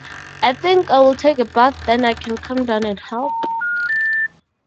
I think I will take a bath then I can come down and help